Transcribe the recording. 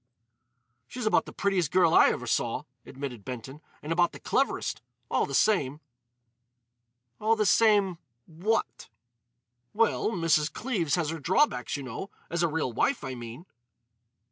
"She's about the prettiest girl I ever saw," admitted Benton, "and about the cleverest. All the same——" "All the same—what?" "Well, Mrs. Cleves has her drawbacks, you know—as a real wife, I mean."